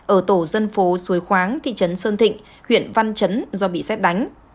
ở tổ dân phố xuôi khoáng thị trấn sơn thịnh huyện văn trấn do bị xét đánh